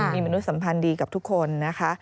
มีมนุษยสัมพันธ์ดีกับทุกคนนะคะ